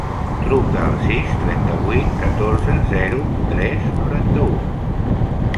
Truca al sis, trenta-vuit, catorze, zero, tres, noranta-u.